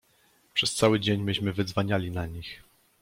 Przez cały dzień myśmy wydzwaniali na nich.